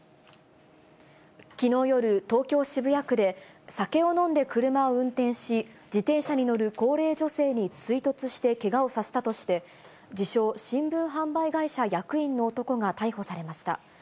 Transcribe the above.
きのう夜、東京・渋谷区で、酒を飲んで車を運転し、自転車に乗る高齢女性に追突してけがをさせたとして、自称新聞販売会社役員の男が逮捕されました。